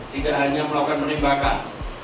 tidak hanya melakukan penimbakan